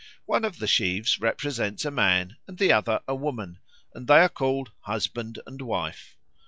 One of the sheaves represents a man and the other a woman, and they are called "husband and wife."